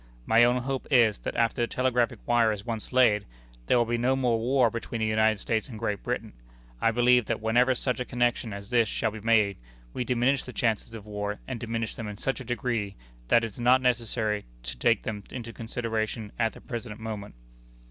My own hope is, that after the telegraphic wire is once laid, there will be no more war between the United States and Great Britain. I believe that whenever such a connection as this shall be made, we diminish the chances of war, and diminish them in such a degree, that it is not necessary to take them into consideration at the present moment.